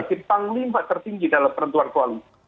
ketat di tanglima tertinggi dalam perentuan koalisi